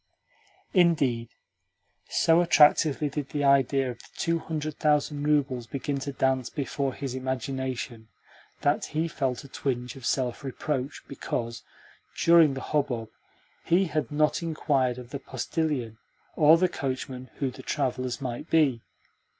Indeed, so attractively did the idea of the two hundred thousand roubles begin to dance before his imagination that he felt a twinge of self reproach because, during the hubbub, he had not inquired of the postillion or the coachman who the travellers might be.